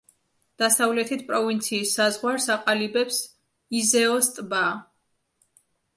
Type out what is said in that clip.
დასავლეთით, პროვინციის საზღვარს აყალიბებს იზეოს ტბა.